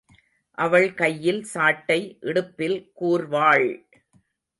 அவள் கையில் சாட்டை இடுப்பில் கூர்வாள்!